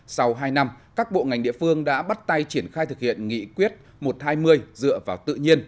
sau hai năm các bộ ngành địa phương đã bắt tay triển khai thực hiện nghị quyết một trăm hai mươi dựa vào tự nhiên